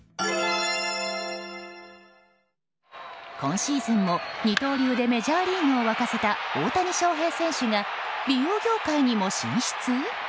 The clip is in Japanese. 今シーズンも二刀流でメジャーリーグを沸かせた大谷翔平選手が美容業界にも進出？